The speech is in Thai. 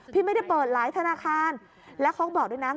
พี่ไม่ได้เปิดหลายธนาคารแล้วเขาก็บอกด้วยนะ